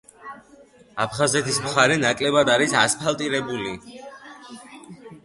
აფხაზეთის მხარე ნაკლებად არის ასფალტირებული.